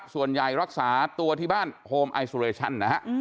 ส่วนใหญ่รักษาโทษบ้านโควิด